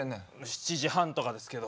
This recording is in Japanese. ７時半とかですけど。